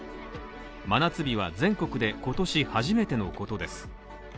真夏日は全国で今年初めてのことです。